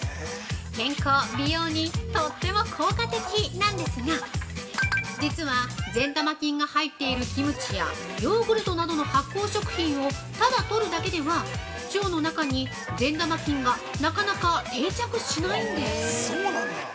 健康、美容にとっても効果的なんですが実は、善玉菌が入っているキムチやヨーグルトなどの発酵食品をただとるだけでは、善玉菌がなかなか定着しないんです。